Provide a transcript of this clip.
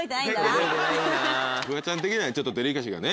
フワちゃん的にはデリカシーがね。